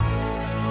kalo diambil semua